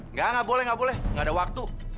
nggak boleh nggak boleh nggak ada waktu